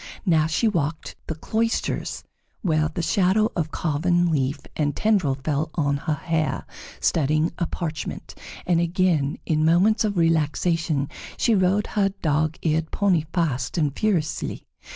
Now she walked the cloisters where the shadow of carven leaf and tendril fell on her hair, studying a parchment; and again, in moments of relaxation, she rode her dog eared pony fast and furiously.